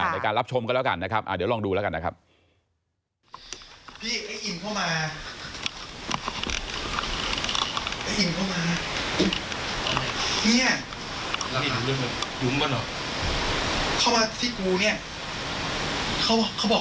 ในการรับชมกันแล้วกันนะครับเดี๋ยวลองดูแล้วกันนะครับ